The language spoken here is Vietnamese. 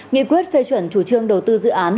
nghị quyết phê chuẩn chủ trương đầu tư dự án